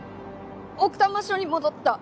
奥多摩署に戻った。